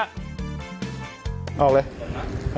เอาออกเลย